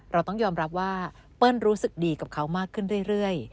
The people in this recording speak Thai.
เราต้องยอมรับว่าเปิ้ลรู้สึกดีกับเขามากขึ้นเรื่อย